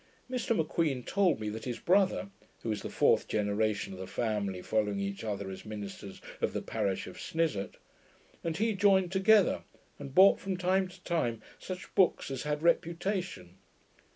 Mr M'Queen told me that his brother (who is the fourth generation of the family following each other as ministers of the parish of Snizort) and he joined together, and bought from time to time such books as had reputation.